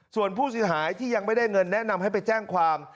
ส่วนผู้เสียหายที่ยังไม่ได้เงินแนะนำให้ไปแจ้งความ